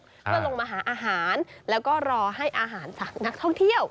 เพื่อลงมาหาอาหารแล้วก็รอให้อาหารจากนักท่องเที่ยว